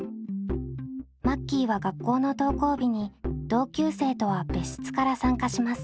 マッキーは学校の登校日に同級生とは別室から参加します。